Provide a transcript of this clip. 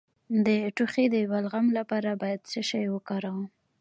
د ټوخي د بلغم لپاره باید څه شی وکاروم؟